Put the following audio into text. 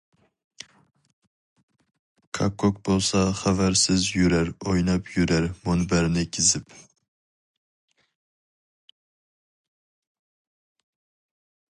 كاككۇك بولسا خەۋەرسىز يۈرەر ئويناپ يۈرەر مۇنبەرنى كېزىپ.